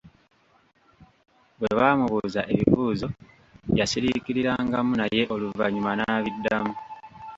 Bwe baamubuuza ebibuuzo yasiriikirirangamu naye oluvannyuma n'abiddamu.